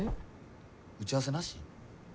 打ち合わせなし？